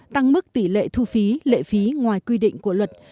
tăng mức tỷ lệ thu phí lệ phí ngoài quy định của luật